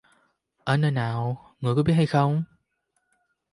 Ở nơi nào, người có biết hay không?